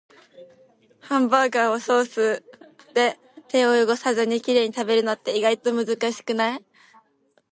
ハンバーガーをソースで手を汚さずにきれいに食べるのって、意外と難しくない？